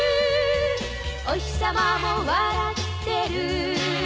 「おひさまも笑ってる」